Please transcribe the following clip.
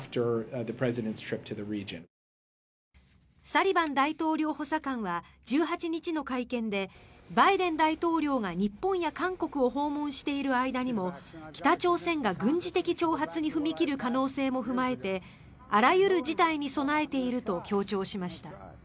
サリバン大統領補佐官は１８日の会見でバイデン大統領が日本や韓国を訪問している間にも北朝鮮が軍事的挑発に踏み切る可能性も踏まえてあらゆる事態に備えていると強調しました。